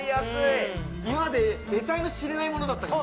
今まで得体の知れないものだったから。